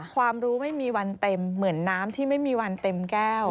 ความรู้ไม่มีวันเต็มเหมือนน้ำที่ไม่มีวันเต็มแก้ว